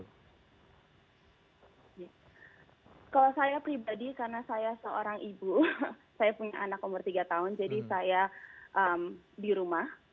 kalau saya pribadi karena saya seorang ibu saya punya anak umur tiga tahun jadi saya di rumah